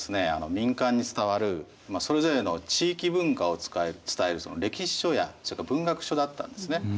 民間に伝わるそれぞれの地域文化を伝える歴史書や文学書だったんですね。